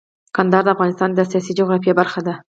کندهار د افغانستان د سیاسي جغرافیه برخه ده.